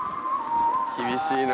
厳しいな。